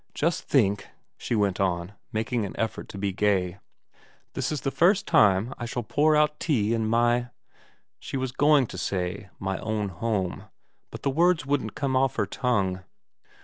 ' Just think,' she went on, making an effort to be gay, ' this is the first time I shall pour out tea in my ' She was going to say ' My own home,' but the words wouldn't come off her tongue.